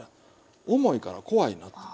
重いから怖いなと。